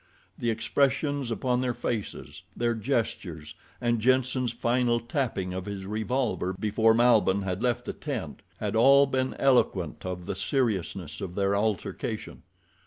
The expressions upon their faces, their gestures, and Jenssen's final tapping of his revolver before Malbihn had left the tent had all been eloquent of the seriousness of their altercation.